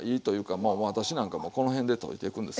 もう私なんかもうこの辺で溶いていくんです。